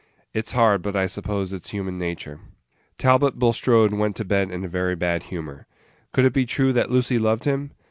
"It's hard, but I suppose it's human nature." Talbot Bulstrode went to bed in a very bad humor. Could it be true that Lucy loved him?